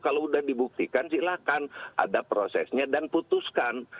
kalau sudah dibuktikan silahkan ada prosesnya dan putuskan